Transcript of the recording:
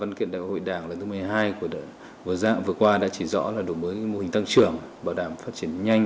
văn kiện đại hội đảng lần thứ một mươi hai của qua đã chỉ rõ là đổi mới mô hình tăng trưởng bảo đảm phát triển nhanh